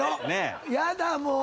「やだもう。